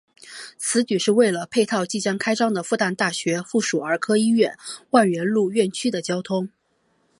此举是为了配套即将开张的复旦大学附属儿科医院万源路院区的交通。